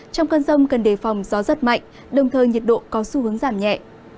trong cân rông cần để phòng gió rất mạnh đồng thời nhiệt độ có xu hướng giảm nhẹ